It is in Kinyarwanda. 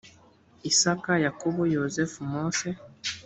isaka yakobo yozefu mose